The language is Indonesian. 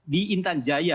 di intan jaya